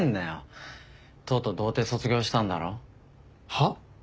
はっ？